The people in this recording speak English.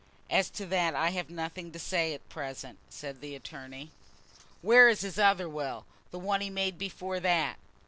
"As to that I have nothing to say at present," said the attorney. "Where is his other will, the one he made before that?"